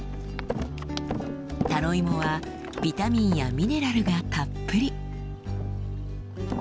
タロイモはビタミンやミネラルがたっぷり！